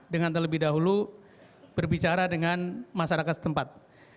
dengan terlebih dahulu berbicara dengan masyarakat tempat